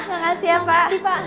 makasih ya pak